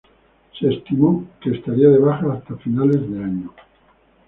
Se estimó que estaría de baja hasta finales de año.